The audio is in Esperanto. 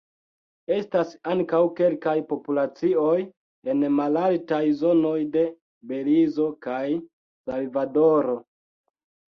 Estas ankaŭ kelkaj populacioj en malaltaj zonoj de Belizo kaj Salvadoro.